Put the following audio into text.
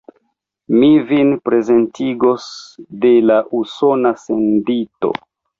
Mi vin prezentigos de la Usona sendito.